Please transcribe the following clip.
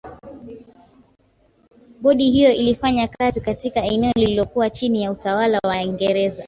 bodi hiyo ilifanya kazi katika eneo lililokuwa chini ya utawala wa waingereza